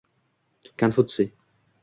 Konfutsiy